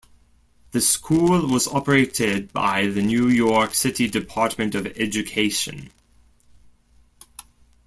The school was operated by the New York City Department of Education.